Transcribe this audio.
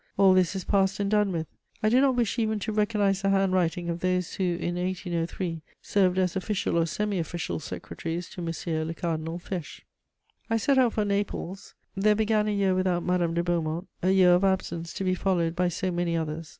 All this is past and done with: I do not wish even to recognise the handwriting of those who, in 1803, served as official or semi official secretaries to M. le Cardinal Fesch. I set out for Naples: there began a year without Madame de Beaumont, a year of absence to be followed by so many others!